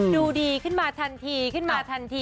ดูดีขึ้นมาทันทีขึ้นมาทันที